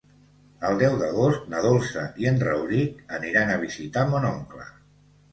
El deu d'agost na Dolça i en Rauric aniran a visitar mon oncle.